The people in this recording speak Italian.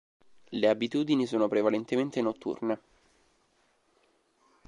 Le abitudini sono prevalentemente notturne.